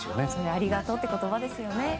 ありがとうという言葉ですよね。